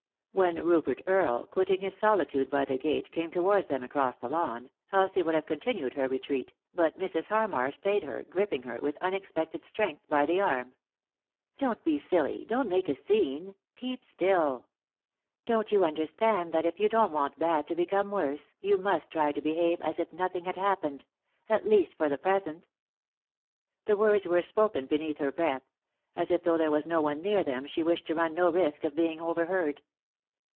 When Rupert Earle, quitting his solitude by the gate, came towards them across the lawn, Elsie would have continued her retreat, but Mrs. Harmar stayed her, gripping her, with unexpected strength, by the arm. " Don't be silly I — don't make a scene t— keep still Don't you understand that, if you don't want bad to become worse, you must try to behave as if nothing had happened — at least for the present ?" The words were spoken beneath her' breath ; as if, though there was no one near them, she wished to run no risk of being overheard.